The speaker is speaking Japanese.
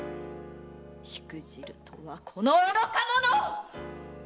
しくじるとはこの愚か者‼